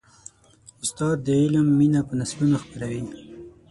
استاد د علم مینه په نسلونو خپروي.